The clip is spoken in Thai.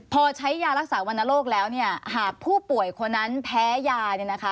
พอใช้ยารักษาวรรณโรคแล้วหากผู้ป่วยคนนั้นแพ้ยา